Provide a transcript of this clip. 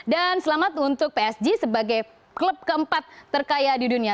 dan selamat untuk psg sebagai klub keempat terkaya di dunia